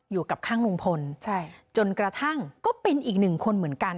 อยู่กับข้างลุงพลใช่จนกระทั่งก็เป็นอีกหนึ่งคนเหมือนกัน